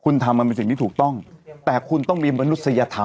คุณทำมันเป็นสิ่งที่ถูกต้องแต่คุณต้องมีมนุษยธรรม